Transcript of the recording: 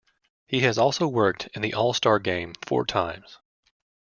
He has also worked in the All-Star Game four times.